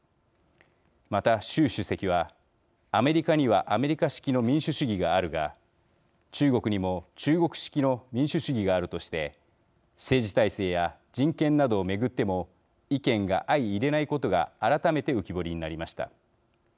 また、習主席は「アメリカにはアメリカ式の民主主義があるが中国にも中国式の民主主義がある」として政治体制や人権などを巡っても意見が相いれないことが改めて浮き彫りになりました。